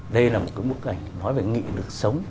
đây là một cái bức ảnh nói về nghị lực sống